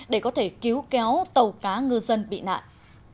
để có thể cứu kéo tàu cá ngư dân bị nạn